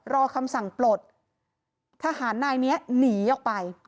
รอคำสั่งปลดทหารนายนี้หนีออกไป